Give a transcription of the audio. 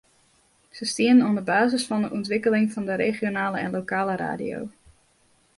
Se stienen oan de basis fan de ûntwikkeling fan de regionale en lokale radio.